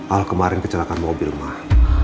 al kemarin kecelakaan mobil mah